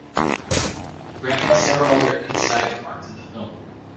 Grant makes several other "inside" remarks in the film.